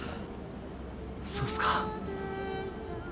そうっすか